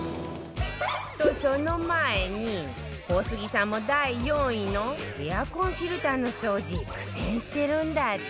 とその前に小杉さんも第４位のエアコンフィルターの掃除苦戦してるんだって